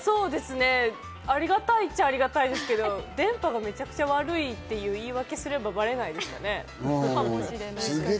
ありがたいっちゃありがたいですけど、電波がめちゃくちゃ悪いって言い訳すればバレないですかね。